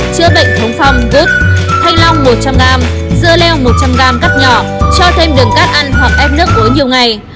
chữa bệnh thống phong thanh long một trăm linh g dưa leo một trăm linh g cắt nhỏ cho thêm đường cát ăn hoặc ép nước uống nhiều ngày